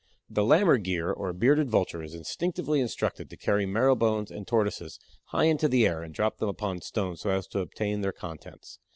The Lammergeier, or Bearded Vulture, is instinctively instructed to carry marrow bones and Tortoises high into the air and drop them upon stones so as to obtain their contents.